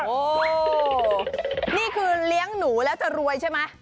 โอ้โหนี่คือเลี้ยงหนูแล้วจะรวยใช่ไหม